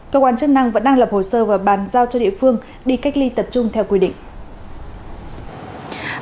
cơ quan chức năng vẫn đang lập hồ sơ và bàn giao cho địa phương đi cách ly tập trung theo quy định